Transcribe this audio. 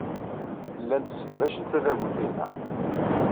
Llant sseqdacent tadabut-inna.